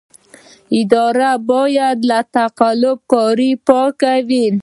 اداره باید له تقلب کارۍ پاکه وي.